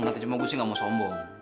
kata cuma gue sih gak mau sombong